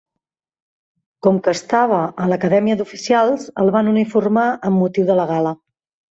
Com que estava a l'acadèmia d'oficials, el van uniformar amb motiu de la gala.